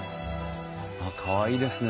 かわいいですね。